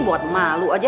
buat malu aja